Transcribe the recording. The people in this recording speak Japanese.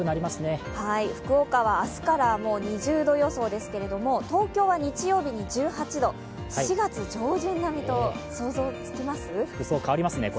福岡は明日から２０度予想ですが、東京は日曜日に１８度、４月上旬並みと、想像つきます？